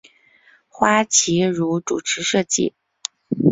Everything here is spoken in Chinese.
花琦如主持设计。